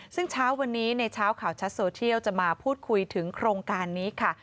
ซึ่งเช้าวันนี้ในเช้าข่าวชัดโซเทียลจะมาพูดคุยถึงโครงการนี้ค่ะ